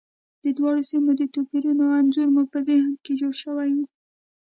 د دواړو سیمو د توپیرونو انځور مو په ذهن کې جوړ شوی وي.